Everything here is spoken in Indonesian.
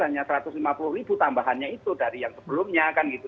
hanya satu ratus lima puluh ribu tambahannya itu dari yang sebelumnya kan gitu